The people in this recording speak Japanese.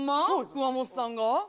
熊元さんが？